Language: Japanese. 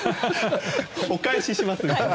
お返ししますと。